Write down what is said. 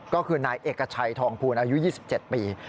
ก็คือนายเอกชัยทองภูลอายุ๒๗ปี